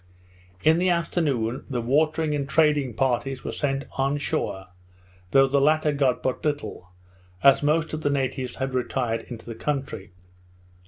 In the afternoon, the watering and trading parties were sent on shore, though the latter got but little, as most of the natives had retired into the country.